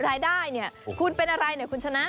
รายได้เนี่ยคุณเป็นอะไรเนี่ยคุณชนะ